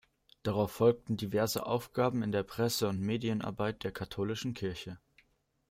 Darauf folgten diverse Aufgaben in der Presse- und Medienarbeit der katholischen Kirche.